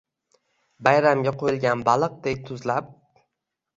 Bayramga qo’yilgan baliqdek tuzlab